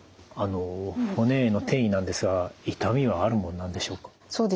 骨への転移なんですが痛みはあるものなんでしょうか？